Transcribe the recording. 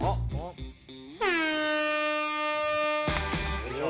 よいしょ！